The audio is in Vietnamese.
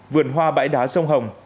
vườn hoa bãi đá sông hồng